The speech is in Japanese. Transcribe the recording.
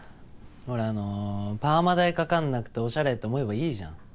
ほらあのパーマ代かかんなくておしゃれって思えばいいじゃん。